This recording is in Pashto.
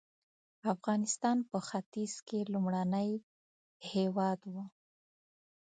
افغانستان په ختیځ کې لومړنی هېواد و.